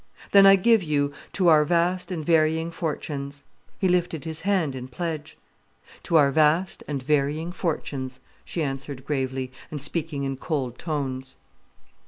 "Then I give you 'To our vast and varying fortunes.'" He lifted his hand in pledge. "'To our vast and varying fortunes,'" she answered gravely, and speaking in cold tones.